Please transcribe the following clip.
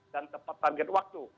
dan tepat target waktu